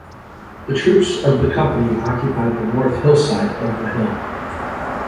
The troops of the Company occupied the north hillside of the hill.